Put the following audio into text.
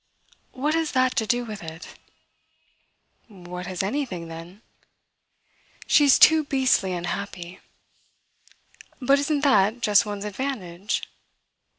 "What has that to do with it?" "What has anything, then?" "She's too beastly unhappy." "But isn't that just one's advantage?"